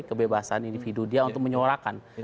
kebebasan individu dia untuk menyuarakan